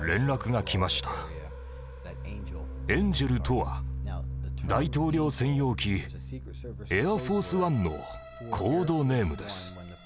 「エンジェル」とは大統領専用機エアフォース・ワンのコードネームです。